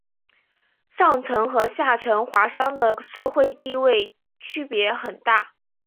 上层和下层华裔的社会地位区别很大。